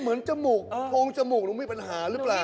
จมูกโพงจมูกหนูมีปัญหาหรือเปล่า